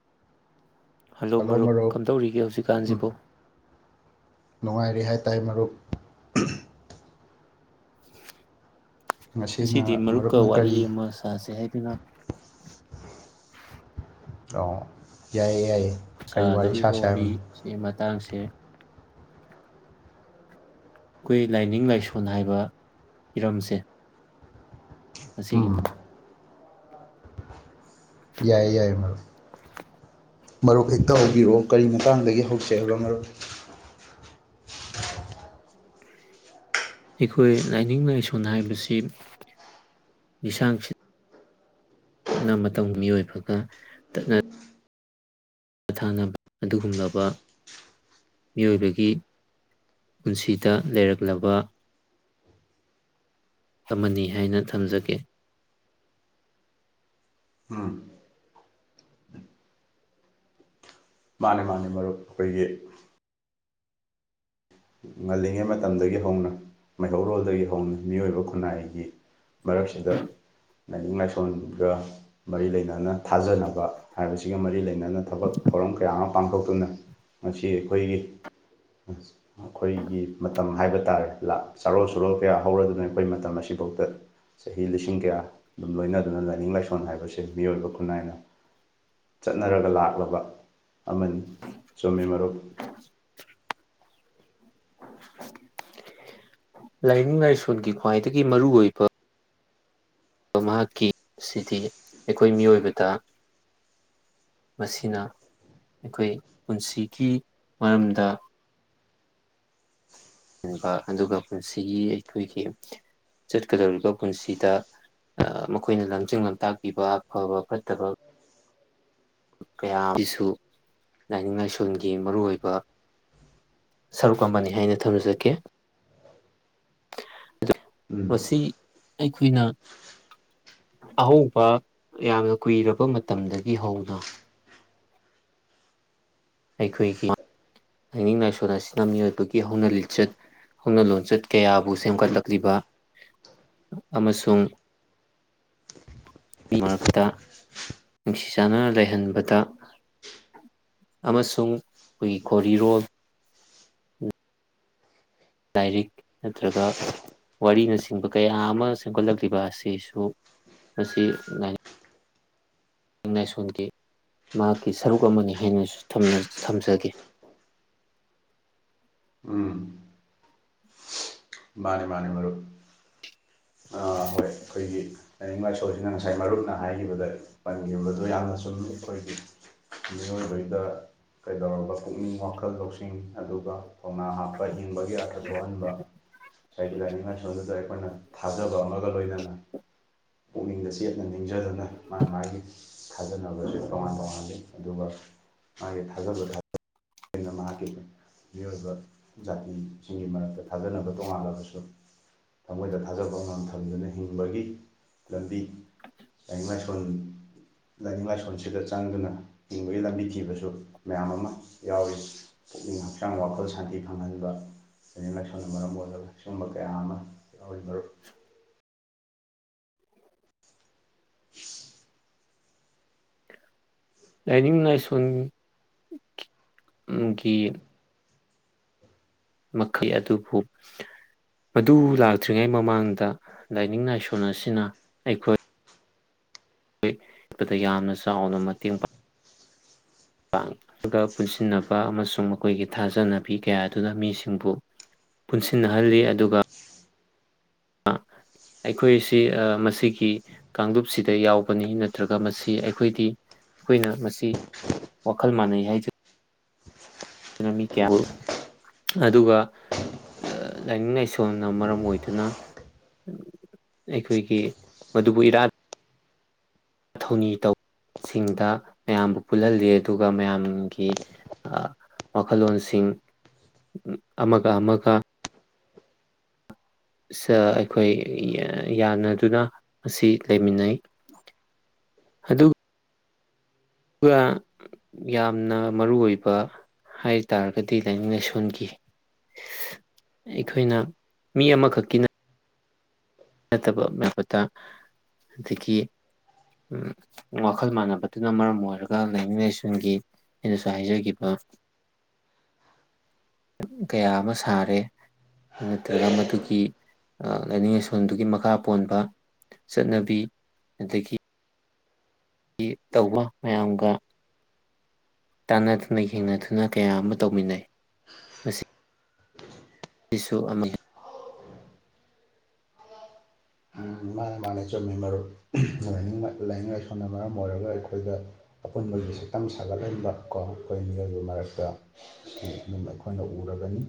[unintelligible] hello ꯃꯔꯨꯞ ꯀꯝꯗꯧꯔꯤꯒꯦ ꯍꯧꯖꯤꯛꯀꯥꯟꯁꯤꯕꯨ ꯅꯨꯡꯉꯥꯏꯔꯦ ꯍꯥꯏꯇꯥꯔꯦ ꯃꯔꯨꯞ ꯉꯁꯤꯗꯤ ꯉꯁꯤꯅ ꯃꯔꯨꯞꯀ ꯃꯔꯨꯞꯅ ꯋꯥꯔꯤ ꯀꯔꯤ ꯑꯃ ꯁꯥꯁꯦ ꯍꯥꯏꯗꯨꯅ ꯌꯥꯏꯌꯦ ꯌꯥꯏꯌꯦ ꯀꯔꯤ ꯋꯥꯔꯤ ꯁꯥꯗꯧꯔꯤꯕ ꯁꯥꯁꯦ ꯍꯥꯏꯕꯅꯣ ꯋꯥꯔꯤꯁꯤ ꯃꯇꯥꯡꯁꯤ ꯁꯦ ꯑꯩꯈꯣꯏ ꯂꯥꯏꯅꯤꯡ ꯂꯥꯏꯁꯣꯟ ꯍꯥꯏꯕ ꯍꯤꯔꯝꯁꯦ ꯃꯁꯤꯒꯤ ꯎꯝ ꯌꯥꯏ ꯌꯥꯏ ꯃꯔꯨꯞ ꯃꯔꯨꯞ ꯍꯦꯛꯇ ꯍꯧꯕꯤꯔꯛꯑꯣ ꯀꯔꯤ ꯃꯇꯥꯡꯗꯒꯤ ꯍꯧꯁꯦ ꯍꯥꯏꯕꯅꯣ ꯃꯔꯨꯞ ꯑꯩꯈꯣꯏ ꯂꯥꯏꯅꯤꯡ ꯂꯥꯏꯁꯣꯟ ꯍꯥꯏꯕꯁꯤ ꯂꯤꯁꯥꯡꯁꯤꯠꯅ ꯃꯇꯝ ꯃꯤꯑꯣꯏꯕꯒ ꯇꯠꯅ ꯃꯊꯥꯅꯕ ꯑꯗꯨꯒꯨꯝꯂꯕ ꯃꯤꯑꯣꯏꯕꯒꯤ ꯄꯨꯟꯁꯤꯗ ꯂꯩꯔꯛꯂꯕ ꯑꯃꯅꯤ ꯍꯥꯏꯅ ꯊꯝꯖꯒꯦ ꯎꯝ ꯃꯥꯅꯦ ꯃꯥꯅꯦ ꯃꯔꯨꯞ ꯑꯩꯈꯣꯏꯒꯤ ꯉꯜꯂꯤꯉꯩ ꯃꯇꯝꯗꯒꯤ ꯍꯧꯅ ꯃꯩꯍꯧꯔꯣꯜꯗꯒꯤ ꯍꯧꯅ ꯃꯤꯑꯣꯏꯕ ꯈꯨꯟꯅꯥꯏꯒꯤ ꯃꯔꯛꯁꯤꯗ ꯂꯥꯏꯅꯤꯡ ꯂꯥꯏꯁꯣꯟꯒ ꯃꯔꯤ ꯂꯩꯅꯅ ꯊꯥꯖꯅꯕ ꯍꯥꯏꯕꯁꯤꯒ ꯃꯔꯤ ꯂꯩꯅꯅ ꯍꯥꯏꯅ ꯊꯕꯛ ꯊꯧꯔꯝ ꯀꯌꯥ ꯑꯃ ꯄꯥꯡꯊꯣꯛꯇꯨꯅ ꯃꯁꯤ ꯑꯩꯈꯣꯏꯒꯤ ꯑꯩꯈꯣꯏꯒꯤ ꯃꯇꯝ ꯍꯥꯏꯕ ꯇꯥꯔꯦ ꯆꯥꯔꯣꯜ ꯁꯨꯔꯣꯜ ꯀꯌꯥ ꯍꯧꯔꯗꯨꯅ ꯑꯩꯈꯣꯏ ꯃꯇꯝ ꯑꯁꯤꯐꯥꯎꯗ ꯆꯍꯤ ꯂꯤꯁꯤꯡ ꯀꯌꯥ ꯑꯗꯨꯝ ꯂꯣꯏꯅꯗꯨꯅ ꯂꯥꯏꯅꯤꯡ ꯂꯥꯏꯁꯣꯟ ꯍꯥꯏꯕꯁꯦ ꯃꯤꯑꯣꯏꯕ ꯈꯨꯟꯅꯥꯏꯅ ꯆꯠꯅꯔꯒ ꯂꯥꯛꯂꯕ ꯑꯃꯅꯤ ꯆꯨꯝꯃꯤ ꯃꯔꯨꯞ ꯂꯥꯏꯅꯤꯡ ꯂꯥꯏꯁꯣꯟꯒꯤ ꯈ꯭ꯋꯥꯏꯗꯒꯤ ꯃꯔꯨꯑꯣꯏꯕ ꯃꯍꯥꯛꯀꯤ ꯁꯤꯗꯤ ꯑꯩꯈꯣꯏ ꯃꯤꯑꯣꯏꯕꯗ ꯃꯁꯤꯅ ꯑꯩꯈꯣꯏ ꯄꯨꯟꯁꯤꯒꯤ ꯃꯔꯝꯗ ꯑꯗꯨꯒ ꯄꯨꯟꯁꯤꯒꯤ ꯑꯩꯈꯣꯏꯒꯤ ꯆꯠꯀꯗꯧꯔꯤꯕ ꯄꯨꯟꯁꯤꯗ ꯃꯈꯣꯏꯅ ꯂꯝꯖꯤꯡ ꯂꯝꯇꯥꯛ ꯄꯤꯕ ꯑꯐꯕ ꯐꯠꯇꯕ ꯀꯌꯥ ꯑꯃꯁꯁꯨ ꯂꯥꯏꯅꯤꯡ ꯂꯥꯏꯁꯣꯟꯒꯤ ꯃꯔꯨꯑꯣꯏꯕ ꯁꯔꯨꯛ ꯑꯃꯅꯤ ꯍꯥꯏꯅ ꯊꯝꯖꯒꯦ ꯎꯝ ꯃꯁꯤ ꯑꯩꯈꯣꯏꯅ ꯑꯍꯧꯕ ꯌꯥꯝꯅ ꯀꯨꯏꯔꯕ ꯃꯇꯝꯗꯒꯤ ꯍꯧꯅ ꯑꯩꯈꯣꯏꯒꯤ ꯂꯥꯏꯅꯤꯡ ꯂꯥꯏꯁꯣꯟ ꯑꯁꯤꯅ ꯃꯤꯑꯣꯏꯕꯒꯤ ꯍꯧꯅ ꯂꯤꯆꯠ ꯍꯧꯅ ꯂꯣꯟꯆꯠ ꯀꯌꯥꯕꯨ ꯁꯦꯝꯒꯠꯂꯛꯂꯤꯕ ꯑꯃꯁꯨꯡ ꯃꯔꯛꯇ ꯅꯨꯡꯁꯤ ꯆꯥꯟꯅꯅ ꯂꯩꯍꯟꯕꯗ ꯑꯃꯁꯨꯡ ꯑꯩꯈꯣꯏꯒꯤ ꯈꯣꯔꯤꯔꯣꯜ ꯂꯥꯏꯔꯤꯛ ꯅꯠꯇ꯭ꯔꯒ ꯋꯥꯔꯤꯅꯆꯤꯡꯕ ꯀꯌꯥ ꯑꯃ ꯁꯦꯝꯒꯠꯂꯛꯂꯤꯕ ꯑꯁꯤꯁꯨ ꯃꯁꯤ ꯂꯥꯏꯅꯤꯡ ꯂꯥꯏꯁꯣꯟꯒꯤ ꯃꯍꯥꯛꯀꯤ ꯁꯔꯨꯛ ꯑꯃꯅꯤ ꯍꯥꯏꯅꯁꯨ ꯊꯝꯖꯒꯦ ꯃꯥꯅꯦ ꯃꯥꯅꯦ ꯃꯔꯨꯞ ꯍꯣꯏ ꯑꯩꯈꯣꯏꯒꯤ ꯂꯥꯏꯅꯤꯡ ꯂꯥꯏꯁꯣꯁꯤꯅ ꯉꯁꯥꯏ ꯃꯔꯨꯞꯅ ꯍꯥꯏꯈꯤꯕꯗ ꯄꯟꯈꯤꯕꯗꯣ ꯌꯥꯝꯅ ꯑꯣꯏꯗ ꯃꯤꯑꯣꯏꯕꯗ ꯀꯩꯗꯧꯔꯕ ꯄꯨꯛꯅꯤꯡ ꯋꯥꯈꯜ ꯂꯧꯁꯤꯡ ꯑꯗꯨꯒ ꯈꯧꯅꯥ ꯍꯥꯞꯄ ꯍꯤꯡꯕꯒꯤ ꯑꯔꯊ ꯊꯣꯛꯍꯟꯕ ꯍꯥꯏꯁꯗꯤ ꯂꯥꯏꯅꯤꯡ ꯂꯥꯏꯁꯣꯟꯗꯨꯗ ꯑꯩꯈꯣꯏꯅ ꯊꯥꯖꯕ ꯑꯃꯒ ꯂꯣꯏꯅꯅ ꯄꯨꯛꯅꯤꯡꯗ ꯆꯦꯠꯅ ꯅꯤꯡꯖꯗꯨꯅ ꯃꯥ ꯃꯥꯒꯤ ꯊꯥꯖꯅꯕꯁꯦ ꯇꯣꯉꯥꯟ ꯇꯣꯉꯜꯂꯤ ꯑꯗꯨꯒ ꯃꯥꯒꯤ ꯊꯥꯖꯕ ꯊ ꯑꯩꯅ ꯃꯍꯥꯛꯀꯤ ꯃꯤꯑꯣꯏꯕ ꯖꯥꯇꯤꯁꯤꯡꯒꯤ ꯃꯔꯛꯇ ꯊꯥꯖꯅꯕ ꯇꯣꯉꯥꯜꯂꯕꯁꯨ ꯊꯃꯣꯏꯗ ꯊꯥꯖꯕ ꯑꯉꯥꯡ ꯊꯝꯗꯨꯅ ꯍꯤꯡꯕꯒꯤ ꯂꯝꯕꯤ ꯂꯥꯏꯅꯤꯡ ꯂꯥꯏꯁꯣꯟ ꯂꯥꯏꯅꯤꯡ ꯂꯥꯏꯁꯣꯟꯁꯤꯗ ꯆꯪꯗꯨꯅ ꯍꯤꯡꯕꯒꯤ ꯂꯝꯕꯤ ꯊꯤꯕꯁꯨ ꯃꯌꯥꯝ ꯑꯃ ꯌꯥꯎꯋ ꯄꯨꯛꯅꯤꯡ ꯍꯛꯆꯥꯡ ꯋꯥꯈꯜ ꯁꯥꯟꯇꯤ ꯐꯪꯍꯟꯕ ꯂꯅꯁꯣꯟꯅ ꯃꯔꯝ ꯑꯣꯏꯔꯒ ꯁꯒꯨꯝꯕ ꯀꯌꯥ ꯑꯃ ꯌꯥꯎꯣꯏ [inaudible] ꯂꯥꯏꯅꯤꯡ ꯂꯥꯏꯁꯣꯟꯒꯤ ꯃꯈꯩ ꯑꯗꯨꯕꯨ ꯃꯗꯨ ꯂꯥꯛꯇ꯭ꯔꯤꯉꯩ ꯃꯃꯥꯡꯗ ꯂꯥꯏꯅꯤꯡ ꯂꯥꯏꯁꯣꯟ ꯑꯁꯤꯅ ꯑꯩꯈꯣꯏ ꯑꯩꯣꯏꯠꯄꯗ ꯌꯥꯝꯅ ꯆꯥꯎꯅ ꯃꯇꯦꯡ ꯄꯥꯡ ꯄꯥꯡꯒ ꯄꯨꯟꯁꯤꯟꯅꯕ ꯑꯃꯁꯨꯡ ꯃꯈꯣꯏꯒꯤ ꯊꯥꯖꯅꯕꯤ ꯀꯌꯥ ꯑꯗꯨꯅ ꯃꯤꯁꯤꯡꯕꯨ ꯄꯨꯟꯁꯤꯟꯅꯍꯜꯂꯤ ꯑꯗꯨꯒ ꯑꯩꯈꯣꯏꯁꯤ ꯃꯁꯤꯒꯤ ꯀꯥꯡꯂꯨꯞꯁꯤꯗ ꯌꯥꯎꯕꯅꯤ ꯅꯠꯇ꯭ꯔꯒ ꯃꯁꯤ ꯑꯩꯈꯣꯏꯗꯤ ꯑꯩꯈꯣꯏꯅ ꯃꯁꯤ ꯋꯥꯈꯜ ꯃꯥꯟꯅꯩ ꯍꯥꯏꯖꯔꯤ ꯀꯌꯥꯕꯨ ꯑꯗꯨꯒ ꯂꯥꯏꯅꯤꯡ ꯂꯥꯏꯁꯣꯟꯅ ꯃꯔꯝ ꯑꯣꯏꯗꯨꯅ ꯑꯩꯈꯣꯏꯒꯤ ꯃꯗꯨꯕꯨ ꯏꯔꯥꯠ ꯊꯧꯅꯤ ꯇꯧꯁꯤꯡꯗ ꯃꯌꯥꯝꯕꯨ ꯄꯨꯜꯍꯜꯂꯤ ꯑꯗꯨꯒ ꯃꯌꯥꯝꯒꯤ ꯋꯥꯈꯜꯂꯣꯟꯁꯤꯡ ꯑꯃꯒ ꯑꯃꯒ ꯁ ꯑꯩꯈꯣꯏ ꯌꯥꯅꯗꯨꯅ ꯑꯁꯤ ꯂꯩꯃꯤꯟꯅꯩ ꯑꯗꯨ ꯑꯗꯨꯒ ꯌꯥꯝꯅ ꯃꯔꯨ ꯑꯣꯏꯕ ꯍꯥꯏ ꯇꯥꯔꯒꯗꯤ ꯂꯥꯏꯅꯤꯡ ꯂꯥꯏꯁꯣꯟꯒꯤ ꯑꯩꯈꯣꯏꯅ ꯃꯤ ꯑꯃꯈꯛꯀꯤꯅ ꯅꯠꯇꯕ ꯂꯩꯕꯇ ꯑꯗꯒꯤ ꯋꯥꯈꯜ ꯃꯥꯟꯅꯕꯗꯨꯅ ꯃꯔꯝ ꯑꯣꯏꯔꯒ ꯂꯥꯏꯅꯤꯡ ꯂꯥꯏꯁꯣꯟꯒꯤ ꯑꯩꯅꯁꯨ ꯍꯥꯏꯖꯈꯤꯕ ꯀꯌꯥ ꯑꯃ ꯁꯥꯔꯦ ꯅꯠꯇ꯭ꯔꯒ ꯃꯗꯨꯒꯤ ꯂꯥꯏꯅꯤꯡ ꯂꯥꯏꯁꯣꯟꯗꯨꯒꯤ ꯃꯈꯥ ꯄꯣꯟꯕ ꯆꯠꯅꯕꯤ ꯑꯗꯒꯤ ꯇꯧꯕ ꯃꯌꯥꯝꯒ ꯇꯥꯟꯅꯗꯨꯅ ꯌꯦꯡꯅꯗꯨꯅ ꯀꯌꯥ ꯑꯃ ꯇꯧꯃꯤꯟꯅꯩ ꯃꯁꯤ ꯁꯤꯁꯨ ꯑꯃꯅꯤ ꯃꯥꯅ ꯃꯥꯅ ꯆꯨꯝꯃꯤ ꯃꯔꯨꯞꯅꯤꯡ ꯂꯥꯏꯅꯤꯡ ꯂꯥꯏꯁꯣꯟꯅ ꯃꯔꯝ ꯑꯣꯏꯔꯒ ꯑꯩꯈꯣꯏꯗ ꯑꯄꯨꯟꯕꯒꯤ ꯁꯛꯇꯝ ꯁꯥꯒꯠꯍꯟꯕ ꯀꯣ ꯑꯩꯈꯣꯏ ꯃꯤꯑꯣꯏꯕ ꯃꯔꯛꯇ ꯑꯗꯨꯝ ꯑꯩꯈꯣꯏꯅ ꯎꯔꯒꯅꯤ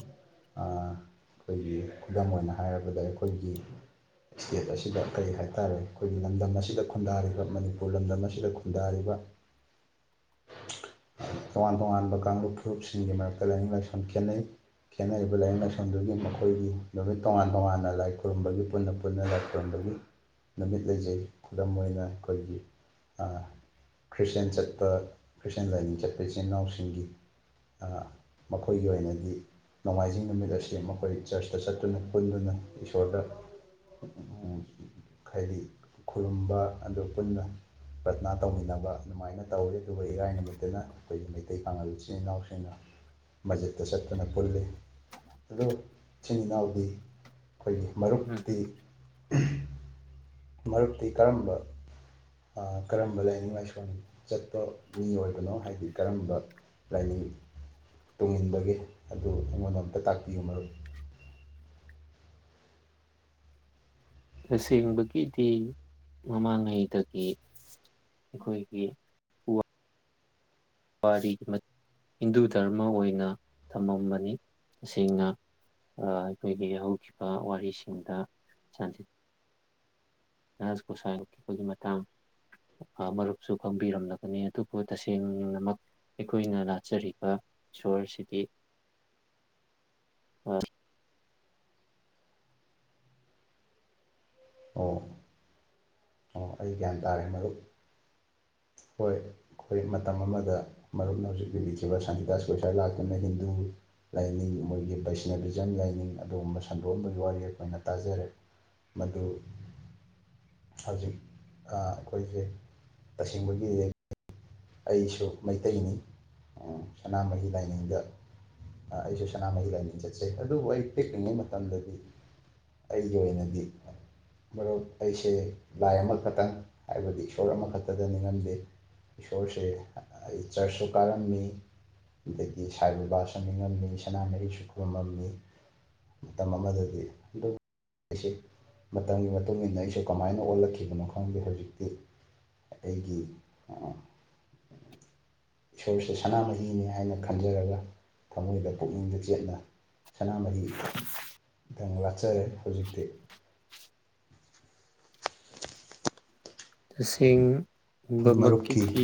ꯑꯩꯈꯣꯏꯒꯤ ꯈꯨꯗꯝ ꯑꯣꯏꯅ ꯍꯥꯏꯔꯕꯗ ꯑꯩꯈꯣꯏꯒꯤ ꯏꯁꯇꯦꯠ ꯑꯁꯤ ꯑꯁꯤꯗ ꯀꯔꯤ ꯍꯥꯏꯇꯥꯔꯦ ꯑꯩꯈꯣꯏꯒꯤ ꯂꯝꯗꯝ ꯑꯁꯤꯗ ꯈꯨꯟꯗꯥꯔꯤꯕ ꯃꯅꯤꯄꯨꯔ ꯂꯝꯗꯝ ꯑꯁꯤꯗ ꯈꯨꯟꯗꯥꯔꯤꯕ ꯇꯣꯉꯥꯟ ꯇꯣꯉꯥꯟꯕ ꯀꯥꯡꯂꯨꯞ ꯐꯨꯔꯨꯞꯁꯤꯡꯒꯤ ꯃꯔꯛꯇ ꯂꯥꯏꯅꯤꯡ ꯂꯥꯏꯁꯣꯟ ꯈꯦꯠꯅꯩ ꯈꯦꯠꯅꯔꯤꯕ ꯂꯥꯏꯅꯤꯡ ꯂꯥꯏꯁꯣꯟꯗꯨꯒꯤ ꯃꯈꯣꯏꯒꯤ ꯅꯨꯃꯤꯠ ꯇꯣꯉꯥꯟ ꯇꯣꯉꯥꯟꯅ ꯂꯥꯏ ꯈꯨꯔꯨꯝꯕꯒꯤ ꯄꯨꯟꯅ ꯄꯨꯟꯅ ꯇꯣꯟꯕꯒꯤ ꯅꯨꯃꯤꯠ ꯂꯩꯖꯩ ꯈꯨꯗꯝ ꯑꯣꯏꯅ ꯑꯩꯈꯣꯏꯒꯤ ꯈ꯭ꯔꯤꯁꯇꯦꯟ ꯆꯠꯄ ꯈ꯭ꯔꯤꯁꯇꯦꯟ ꯂꯥꯏꯅꯤꯡ ꯆꯠꯄ ꯏꯆꯤꯟꯜ ꯏꯅꯥꯎꯁꯤꯡꯒꯤ ꯃꯈꯣꯏꯒꯤ ꯑꯣꯏꯅꯗꯤ ꯅꯣꯡꯃꯥꯏꯖꯤꯡ ꯅꯨꯃꯤꯠ ꯑꯁꯤ ꯃꯈꯣꯏ ꯆꯔꯆꯇ ꯆꯠꯇꯨꯅ ꯄꯨꯟꯗꯨꯅ ꯏꯁꯣꯔꯗ ꯍꯥꯏꯗꯤ ꯈꯨꯔꯨꯝꯕ ꯑꯗꯨ ꯄꯨꯟꯅ ꯄ꯭ꯔꯊꯅꯥ ꯇꯧꯃꯤꯟꯅꯕ ꯑꯗꯨꯃꯥꯏꯅ ꯇꯧꯋꯤ ꯑꯗꯨꯒ ꯏꯔꯥꯏ ꯅꯨꯃꯤꯠꯇꯅ ꯑꯩꯈꯣꯏꯒꯤ ꯃꯩꯇꯩ ꯄꯥꯉꯜ ꯏꯆꯤꯜ ꯏꯅꯥꯎꯁꯤꯡꯅ ꯃꯁꯖꯤꯠꯇ ꯆꯠꯇꯨꯅ ꯄꯨꯜꯂꯤ ꯑꯣ ꯏꯆꯤꯟ ꯏꯅꯥꯎꯗꯤ ꯑꯩꯈꯣꯏꯒꯤ ꯃꯔꯨꯞꯇꯤ ꯃꯔꯨꯞꯇꯤ ꯀꯔꯝꯕ ꯀꯔꯝꯕ ꯂꯥꯏꯅꯤꯡ ꯂꯥꯏꯁꯣꯟ ꯆꯠꯄ ꯃꯤ ꯑꯣꯏꯕꯅꯣ ꯍꯥꯏꯗꯤ ꯀꯔꯝꯕ ꯂꯥꯏꯅꯤꯡ ꯇꯨꯡꯉꯟꯕꯒꯦ ꯑꯗꯨ ꯑꯩꯉꯣꯟꯗ ꯑꯝꯇ ꯇꯥꯛꯄꯤꯌꯨ ꯃꯔꯨꯞ ꯇꯁꯦꯡꯕꯒꯤꯗꯤ ꯃꯃꯥꯡꯉꯩꯗꯒꯤ ꯑꯩꯈꯣꯏꯒꯤ ꯋꯥꯔꯤ ꯍꯤꯟꯗꯨ ꯗꯙꯔꯃ ꯑꯣꯏꯅ ꯊꯝꯃꯝꯕꯅꯤ ꯇꯁꯦꯡꯅ ꯑꯩꯈꯣꯏꯒꯤ ꯍꯧꯈꯤꯕ ꯋꯥꯔꯤꯁꯤꯡꯗ ꯁꯥꯟꯠ ꯁꯀꯣꯁꯥꯏꯈꯤꯕꯒꯤ ꯃꯇꯥꯡ ꯃꯔꯨꯞꯁꯨ ꯈꯪꯕꯤꯔꯝꯂꯒꯅꯤ ꯑꯗꯨꯕꯨ ꯇꯁꯦꯡꯅꯃꯛ ꯑꯩꯈꯣꯏꯅ ꯂꯥꯠꯆꯔꯤꯕ ꯏꯁꯣꯔꯁꯤꯗꯤ ꯑꯣ ꯑꯣ ꯑꯩ ꯒ꯭ꯌꯥꯟ ꯇꯥꯔꯦ ꯃꯔꯨꯞ ꯍꯣꯏ ꯑꯩꯈꯣꯏ ꯃꯇꯝ ꯑꯃꯗ ꯃꯔꯨꯞꯅ ꯍꯧꯖꯤꯛ ꯄꯤꯕꯤꯈꯤꯕ ꯁꯥꯟꯅꯤꯇꯥꯁ ꯀꯣꯏꯁꯥ ꯂꯥꯛꯇꯨꯅ ꯍꯤꯟꯗꯨ ꯂꯥꯏꯅꯤꯡ ꯃꯣꯏꯒꯤ ꯕꯩꯁꯅꯕꯤꯖꯝ ꯂꯥꯏꯅꯤꯡ ꯑꯗꯨꯒꯨꯝꯕ ꯁꯟꯗꯣꯛꯑꯟꯕꯒꯤ ꯋꯥꯔꯤ ꯑꯩꯈꯣꯏꯅ ꯇꯥꯖꯔꯦ ꯃꯗꯨ ꯍꯧꯖꯤꯛ ꯑꯩꯈꯣꯏꯁꯦ ꯇꯁꯦꯡꯕꯒꯤ ꯌꯦꯡ ꯑꯩꯁꯨ ꯃꯩꯇꯩꯅꯤ ꯁꯅꯥꯃꯍꯤ ꯂꯥꯏꯅꯤꯡꯗ ꯑꯩꯁꯨ ꯁꯅꯥꯃꯍꯤ ꯂꯥꯏꯅꯤꯡ ꯆꯠꯆꯩ ꯑꯗꯨꯕꯨ ꯑꯩ ꯄꯤꯛꯂꯤꯉꯩ ꯃꯇꯝꯗꯗꯤ ꯑꯩꯒꯤ ꯑꯣꯏꯅꯗꯤ ꯃꯔꯨꯞ ꯑꯩꯁꯦ ꯂꯥꯏ ꯑꯃꯈꯛꯇꯪ ꯍꯥꯏꯕꯗꯤ ꯏꯁꯣꯔ ꯑꯃꯈꯛꯇꯗ ꯅꯤꯡꯉꯝꯗꯦ ꯏꯁꯣꯔꯁꯦ ꯑꯩ ꯆꯔꯁꯁꯨ ꯀꯥꯔꯝꯃꯤ ꯑꯗꯒꯤ ꯁꯥꯏ ꯕꯕꯥꯁꯨ ꯅꯤꯡꯉꯝꯃꯤ ꯁꯅꯥꯃꯔꯤꯁꯨ ꯈꯨꯔꯨꯝꯃꯝꯃꯤ ꯃꯇꯝ ꯑꯃꯗꯗꯤ ꯑꯗꯨ ꯑꯩꯁꯦ ꯃꯇꯝꯒꯤ ꯃꯇꯨꯡ ꯏ ꯃꯇꯨꯡꯏꯟꯅ ꯑꯩꯁꯨ ꯀꯃꯥꯏꯅ ꯑꯣꯜꯂꯛꯈꯤꯕꯅꯣ ꯈꯪꯗꯦ ꯍꯧꯖꯤꯛꯇꯤ ꯑꯩꯒꯤ ꯏꯁꯣꯔꯁꯦ ꯁꯅꯥꯃꯍꯤꯅꯤ ꯍꯥꯏꯅ ꯈꯟꯖꯔꯒ ꯊꯃꯣꯏꯗ ꯄꯨꯛꯅꯤꯡꯗ ꯆꯦꯠꯅ ꯁꯅꯥꯃꯍꯤ ꯂꯆꯔ ꯍꯧꯖꯤꯛꯇꯤ ꯃꯔꯨꯞꯀꯤ ꯇꯁꯦꯡꯕꯃꯛꯀꯤꯗꯤ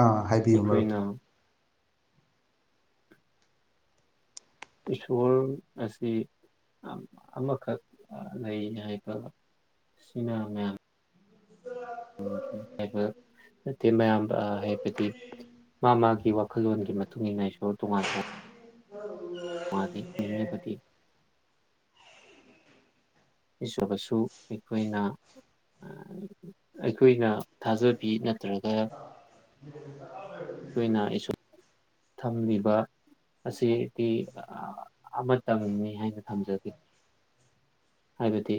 ꯑꯥ ꯍꯥꯏꯕꯤꯌꯨ ꯃꯔꯨꯞ ꯑꯩꯈꯣꯏꯅ ꯏꯁꯣꯔ ꯑꯁꯤ ꯑꯃꯈꯛ ꯂꯩ ꯍꯥꯏꯕ ꯁꯤꯃ ꯃꯌꯥꯝ ꯍꯥꯏꯕ ꯅꯠꯇꯦ ꯃꯌꯥꯝ ꯍꯥꯏꯕꯗꯤ ꯃꯥ ꯃꯥꯒꯤ ꯋꯥꯈꯜꯂꯣꯟꯒꯤꯒꯤ ꯃꯇꯨꯡꯏꯟꯅꯁꯨ ꯇꯣꯉꯥꯟ ꯇꯣꯉ ꯃꯥꯜꯂꯤ ꯅꯤꯡ ꯕꯗꯤ ꯏꯁꯣꯔꯁꯨ ꯑꯩꯈꯣꯏꯅ ꯑꯩꯈꯣꯏꯅ ꯊꯥꯖꯕꯤ ꯅꯠꯇ꯭ꯔꯒ ꯑꯩꯈꯣꯏꯅ ꯏꯁ ꯊꯝꯂꯤꯕ ꯑꯁꯤꯗꯤ ꯑꯃꯇꯪꯅꯤ ꯍꯥꯏꯅ ꯊꯝꯖꯒꯦ ꯍꯥꯏꯕꯗꯤ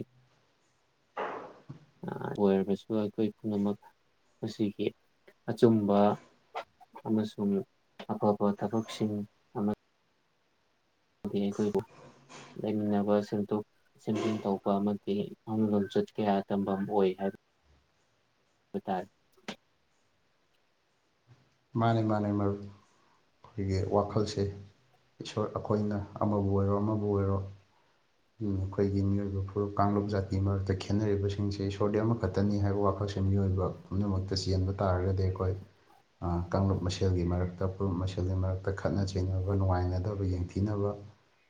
ꯑꯣꯏꯔꯕꯁꯨ ꯑꯩꯈꯣꯏ ꯄꯨꯝꯅꯃꯛ ꯃꯁꯤꯒꯤ ꯑꯆꯨꯝꯕ ꯑꯃꯁꯨꯡ ꯑꯐꯕ ꯊꯕꯛꯁꯤꯡ ꯑꯃ ꯍꯥꯏ ꯑꯩꯈꯣꯏꯕꯨ ꯂꯩꯃꯤꯟꯅꯕ ꯁꯦꯝꯗꯣꯛ ꯁꯦꯝꯖꯤꯟ ꯇꯧꯕ ꯑꯃꯗꯤ ꯐꯨꯡ ꯂꯝꯣꯟꯆꯠ ꯀꯌꯥ ꯇꯝꯐꯝ ꯑꯣꯏ ꯍꯥꯏꯕ ꯍꯥꯏꯕ ꯇꯥꯔꯦ ꯃꯥꯅꯦ ꯃꯥꯅꯦ ꯃꯔꯨꯞ ꯑꯩꯈꯣꯏꯒꯤ ꯋꯥꯈꯜꯁꯦ ꯏꯁꯣꯔ ꯑꯩꯈꯣꯏꯅ ꯑꯃꯕꯨ ꯑꯣꯏꯔꯣ ꯑꯃꯕꯨ ꯑꯣꯏꯔꯣ ꯑꯩꯈꯣꯏꯒꯤ ꯃꯤꯑꯣꯏꯕ ꯐꯨꯔꯨꯞ ꯀꯥꯡꯂꯨꯞ ꯖꯥꯇꯤ ꯃꯔꯛꯇ ꯈꯦꯠꯅꯔꯤꯕꯁꯤꯡꯁꯦ ꯏꯁꯣꯔꯗꯤ ꯑꯃꯈꯛꯇꯅꯤ ꯍꯥꯏꯕ ꯋꯥꯈꯜꯁꯦ ꯃꯤꯑꯣꯏꯕ ꯄꯨꯝꯅꯃꯛꯇ ꯆꯦꯟꯕ ꯇꯥꯔꯒꯗꯤ ꯑꯩꯈꯣꯏ ꯀꯥꯡꯂꯨꯞ ꯃꯁꯦꯜꯒꯤ ꯃꯔꯛꯇ ꯐꯨꯔꯨꯞ ꯃꯁꯦꯜꯒꯤ ꯃꯔꯛꯇ ꯈꯠꯅ ꯆꯩꯅꯕ ꯅꯨꯡꯉꯥꯏꯅꯗꯕ ꯌꯦꯡꯊꯤꯅꯕ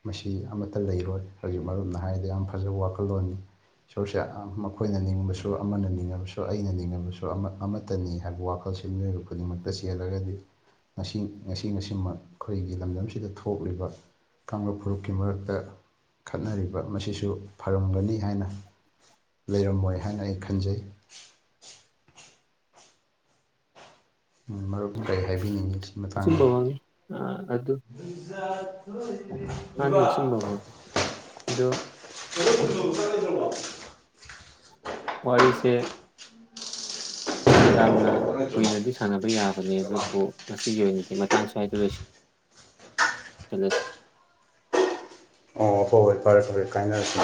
ꯃꯁꯤ ꯑꯃꯠꯇ ꯂꯩꯔꯣꯏ ꯍꯧꯖꯤꯛ ꯃꯔꯨꯞꯅ ꯍꯥꯏꯔꯤꯗ ꯌꯥꯝ ꯐꯖꯕ ꯋꯥꯈꯜꯂꯣꯟꯅꯤ ꯏꯁꯣꯔꯁꯦ ꯃꯈꯣꯏꯅ ꯅꯤꯡꯕꯁꯨ ꯑꯃꯅ ꯅꯤꯡꯉꯕꯁꯨ ꯑꯩꯅ ꯅꯤꯡꯉꯕꯁꯨ ꯑꯃꯠꯇꯅꯤ ꯍꯥꯏꯕ ꯋꯥꯈꯜꯁꯤ ꯃꯤꯑꯣꯏꯕ ꯈꯨꯗꯤꯡꯃꯛꯇ ꯆꯦꯜꯂꯒꯗꯤ ꯉꯁꯤ ꯉꯁꯤ ꯉꯁꯤꯃꯛ ꯑꯩꯈꯣꯏꯒꯤ ꯂꯝꯗꯝꯁꯤꯗ ꯊꯣꯛꯂꯤꯕ ꯀꯥꯡꯂꯨꯞ ꯐꯨꯔꯨꯞꯀꯤ ꯃꯔꯛꯇ ꯈꯠꯅꯔꯤꯕ ꯃꯁꯤꯁꯨ ꯐꯔꯝꯒꯅꯤ ꯍꯥꯏꯅ ꯂꯩꯔꯝꯃꯣꯏ ꯍꯥꯏꯅ ꯑꯩ ꯈꯟꯖꯩ ꯎꯝ ꯃꯔꯨꯞ ꯀꯔꯤ ꯍꯥꯏꯕꯤꯅꯤꯡꯉꯤ ꯁꯤ ꯃꯇꯥꯡꯗ [inaudible] ꯑꯆꯨꯝꯕꯃꯛꯅꯤ ꯃꯅꯤ ꯆꯨꯝꯕ ꯑꯗꯨ [unintelligible] ꯋꯥꯔꯤꯁꯦ ꯌꯥꯝꯅ ꯀꯨꯏꯅꯗꯤ ꯁꯥꯟꯅꯕ ꯌꯥꯕꯅꯦ ꯑꯗꯨꯕꯨ ꯉꯁꯤꯒꯤ ꯑꯣꯏꯅꯗꯤ ꯃꯇꯥꯡ ꯁ꯭ꯋꯥꯏꯗ ꯂꯣꯏꯁꯟ ꯂꯁꯤ ꯑꯣ ꯍꯣꯏ ꯍꯣꯏ ꯐꯔꯦ ꯐꯔꯦ ꯀꯥꯏꯅꯔꯁꯤ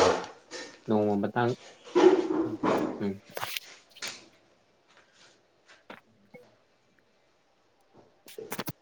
ꯑꯣ ꯃꯇꯥꯡ ꯎꯝ